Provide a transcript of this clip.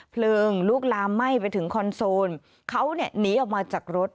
เพลิงลุกลามไหม้ไปถึงคอนโซลเขาเนี่ยหนีออกมาจากรถ